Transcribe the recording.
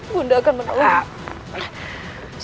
bunda akan menolongmu